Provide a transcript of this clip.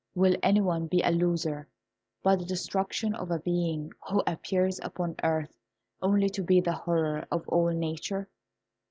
Will any one be a loser by the destruction of a being who appears upon earth only to be the horror of all nature?"